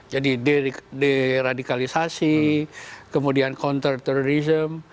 jadi deradikalisasi kemudian counter terrorism